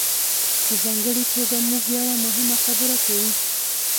په ځانګړې توګه موږ یوه مهمه خبره کوو.